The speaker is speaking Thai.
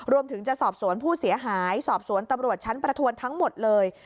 รวมถึงจะสอบสวนผู้เสียหายสอบสวนตำรวจชั้นประทวนทั้งหมดเลย